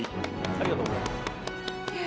ありがとうございます。